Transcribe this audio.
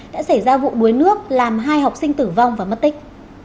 đã xảy ra vụ đuối nước làm hai học sinh tử vong và mất tích